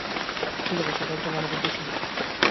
ঠিক আছে, সবাই একটু মনোযোগ দিয়ে শুনুন!